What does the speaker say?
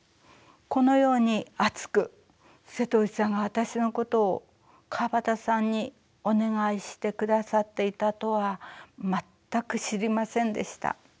このように熱く瀬戸内さんが私のことを川端さんにお願いしてくださっていたとは全く知りませんでした。